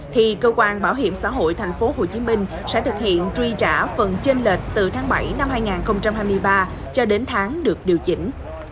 thì cơ quan bảo hiểm xã hội tp hcm sẽ thực hiện truy trả phần trên lệch từ tháng bảy năm hai nghìn hai mươi ba cho đến tháng được điều chỉnh